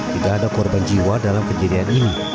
tidak ada korban jiwa dalam kejadian ini